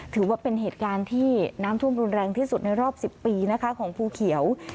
ถือว่าเป็นเหตุการณ์ที่น้ำท่วมรุนแรงที่สุดในรอบ๑๐ปีนะคะของภูเขียว